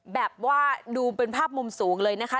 แบบว่าดูเป็นภาพมุมสูงเลยนะคะ